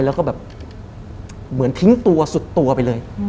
แล้วก็แบบเหมือนทิ้งตัวสุดตัวไปเลย